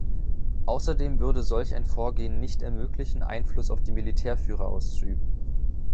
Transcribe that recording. Außerdem würde solch ein Vorgehen nicht ermöglichen, Einfluss auf die Militärführer auszuüben.